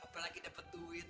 apalagi dapet duit